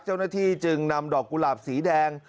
เจ้าหน้าที่จึงนำดอกกุหลาบสีแดง